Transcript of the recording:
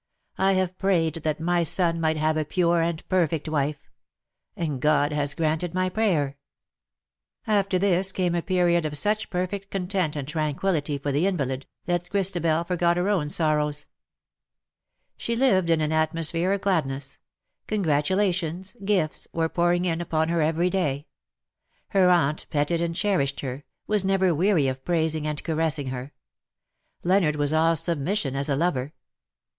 I have prayed that my son might have a pure and perfect wife : and God has granted my prayer .''' After this came a period of such perfect content and tranquillity for the invalid, that Christabel forgot her own sorrows. She lived in an atmosphere of gladness ; congratulations, gifts, were pouring in upon her every day ; her aunt petted and cherished her, was never weary of praising and caressing her. Leonard was all submission as a lover.